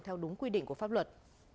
theo đúng quy định của pháp luật